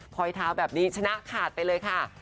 พอยเท้าแบบนี้ชนะขาดไปเลยค่ะ